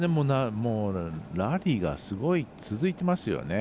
もう、ラリーがすごい続いていますよね。